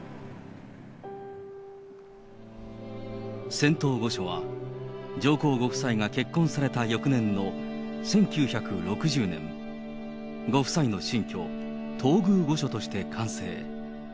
仙洞御所は、上皇ご夫妻が結婚された翌年の１９６０年、ご夫妻の新居、東宮御所として完成。